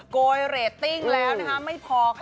โกยเรตติ้งแล้วนะคะไม่พอค่ะ